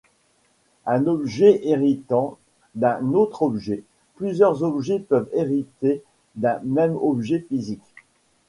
Un objet héritant d'un autre objet, plusieurs objets peuvent hériter d'un même objet physique.